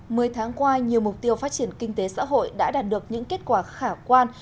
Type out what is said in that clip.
mười tháng qua nhiều mục tiêu phát triển kinh tế xã hội đã đạt được những kết quả khả quan